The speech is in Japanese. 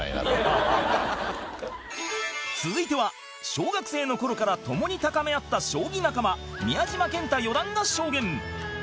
続いては小学生の頃から共に高め合った将棋仲間宮嶋健太四段の証言